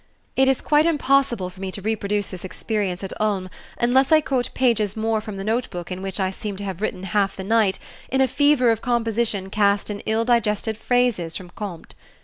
It is quite impossible for me to reproduce this experience at Ulm unless I quote pages more from the notebook in which I seem to have written half the night, in a fever of composition cast in ill digested phrases from Comte.